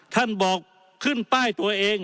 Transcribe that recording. ท่านบอกขึ้นป้ายตัวเอง